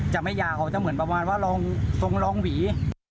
จะไม่ยาวเขาจะเหมือนประมาณว่าลองทรงลองหวี